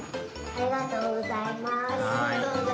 ありがとうございます。